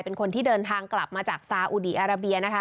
เป็นคนที่เดินทางกลับมาจากซาอุดีอาราเบียนะคะ